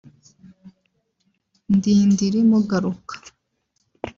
Ndindiri Mugaruka